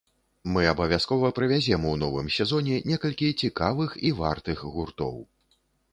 Мы абавязкова прывязем у новым сезоне некалькі цікавых і вартых гуртоў.